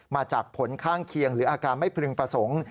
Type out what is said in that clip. มาจากผลข้างเคียงหรืออาการไม่พึงประสงค์